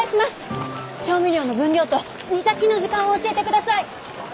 調味料の分量と煮炊きの時間を教えてください！